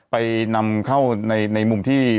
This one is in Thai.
ไปนำเข้าในมุมที่